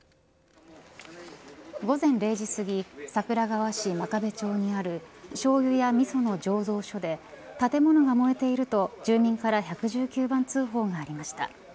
午前０時すぎ桜川市真壁町にあるしょうゆやみその醸造所で建物が燃えていると住民から１１９番通報がありました。